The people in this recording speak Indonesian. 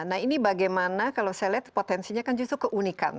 nah ini bagaimana kalau saya lihat potensinya kan justru keunikan